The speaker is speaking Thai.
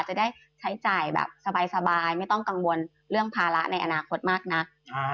จะได้ใช้จ่ายแบบสบายไม่ต้องกังวลเรื่องภาระในอนาคตมากนัก